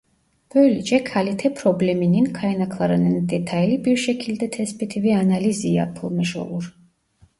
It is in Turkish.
Böylece kalite probleminin kaynaklarının detaylı bir şekilde tespiti ve analizi yapılmış olur.